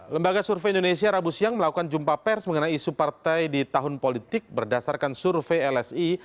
lembaga survei indonesia rabu siang melakukan jumpa pers mengenai isu partai di tahun politik berdasarkan survei lsi